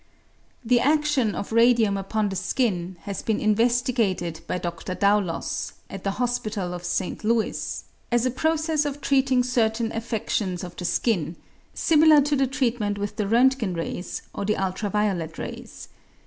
The adion of radium upon the skin has been investigated by Dr. Daulos, at the Hospital of S. Louis, as a process of treating certain affedions of the skin, similar to the treat ment with the R'lntgen rays or the ultra violet rays.